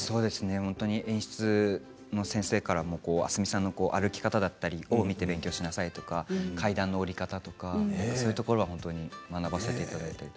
演出の先生からも明日海さんの歩き方を見て勉強しなさいとか、階段の降り方とかそういうところを学ばせていただきました。